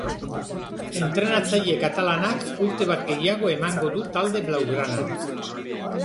Entrenatzaile katalanak urte bat gehiago emango du talde blaugranan.